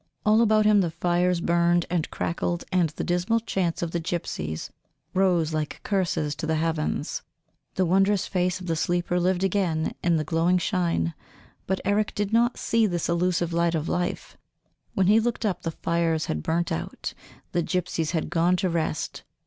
All about him the fires burned and crackled, and the dismal chants of the gypsies rose like curses to the heavens. The wondrous face of the sleeper lived again in the glowing shine, but Eric did not see this illusive light of life; when he looked up the fires had burnt out; the gypsies had gone to rest.